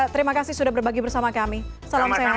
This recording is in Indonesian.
terima kasih sudah berbagi bersama kami salam sehat